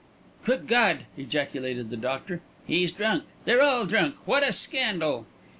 "Good God!" ejaculated the doctor. "He's drunk. They're all drunk. What a scandal."